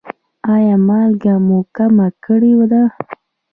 ایا مالګه مو کمه کړې ده؟